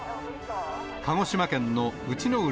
鹿児島県の内之浦